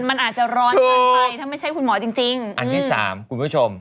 มันอาจจะร้อนเกินไปถ้าไม่ใช่คุณหมอจริงจริงอันที่สามคุณผู้ชม